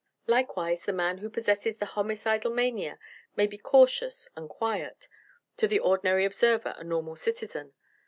"Likewise, the man who possesses the homicidal mania may be cautious and quiet to the ordinary observer a normal citizen.